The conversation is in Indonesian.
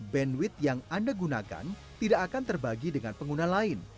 bandwidth yang anda gunakan tidak akan terbagi dengan pengguna lain